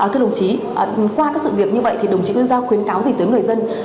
thưa đồng chí qua các sự việc như vậy thì đồng chí nguyễn giao khuyến cáo gì tới người dân